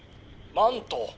「マント。